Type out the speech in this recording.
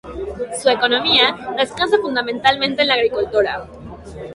Su economía descansa fundamentalmente en la agricultura.